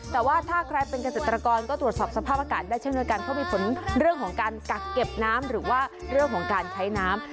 แต่ว่าถ้าใครเป็นเกษตรกรก็ตรวจสอบสภาพอากาศได้เช่นเดียวกันเพราะมีผลเรื่องของการกักเก็บน้ำหรือว่าเรื่องของการใช้น้ำ